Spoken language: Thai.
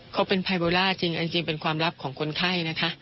เขาเป็นไฮโบล่าจริงอันจริงเป็นความลับของคนไข้นะคะ